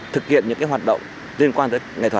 thực hiện những cái hoạt động liên quan tới nghệ thuật